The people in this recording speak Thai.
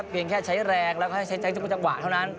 เพียงแค่ใช้แรงและใช้จังหวัดเท่านั้น